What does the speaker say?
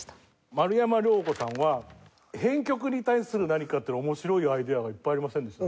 丸山怜子さんは編曲に対する何か面白いアイデアがいっぱいありませんでした？